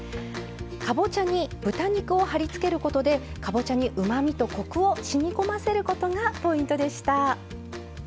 かぼちゃに豚肉をはりつけることでかぼちゃにうまみとコクをしみこませることがポイントでした。